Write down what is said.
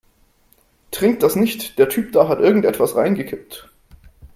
Trink das nicht, der Typ da hat irgendetwas reingekippt.